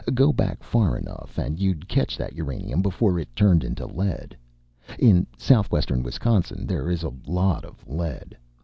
Go back far enough and you'd catch that uranium before it turned into lead. In southwestern Wisconsin, there is a lot of lead.